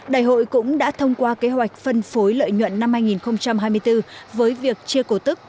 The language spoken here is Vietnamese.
đại hội cũng đã thông qua kế hoạch phân phối lợi nhuận năm hai nghìn hai mươi bốn với việc chia cổ tức